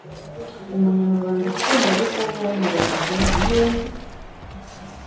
Umunyamabanga Nshingwabikorwa w’Umurenge niwe